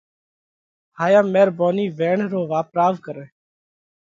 هائِيا ميرڀونِي ويڻ رو واپراوَ ڪرئہ۔